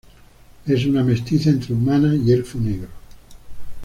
Es una mestiza entre humana y elfo negro.